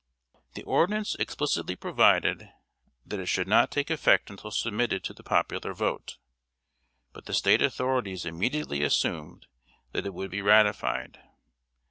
The ordinance explicitly provided that it should not take effect until submitted to the popular vote; but the State authorities immediately assumed that it would be ratified.